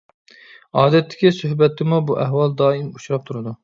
ئادەتتىكى سۆھبەتتىمۇ بۇ ئەھۋال دائىم ئۇچراپ تۇرىدۇ.